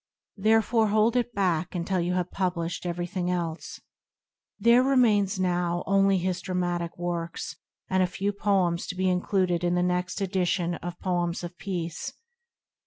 Therefore hold it back until you have published everything else." There remain now only his dramatic works and a few poems to be included in the next edition of Poems of Peace.